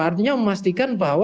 artinya memastikan bahwa